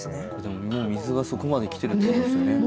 もう水がそこまで来てるってことですよね。